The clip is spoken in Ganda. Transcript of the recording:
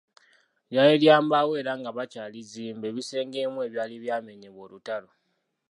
Lyali lya mbaawo era nga bakyalizimba ebisenge ebimu ebyali byamenyebwa olutalo.